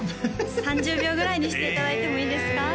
３０秒ぐらいにしていただいてもいいですか？